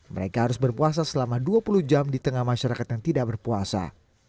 mereka harus berpuasa selama dua puluh jam di tengah masyarakat yang tidak berpuasa